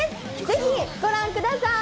ぜひご覧ください！